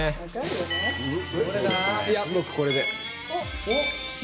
僕、これで。